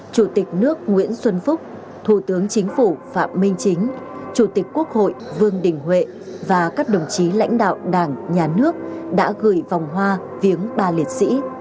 chủ tịch nước nguyễn xuân phúc thủ tướng chính phủ phạm minh chính chủ tịch quốc hội vương đình huệ và các đồng chí lãnh đạo đảng nhà nước đã gửi vòng hoa viếng ba liệt sĩ